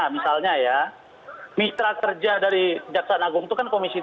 misalnya ya mitra kerja dari jaksa agung itu kan komisi tiga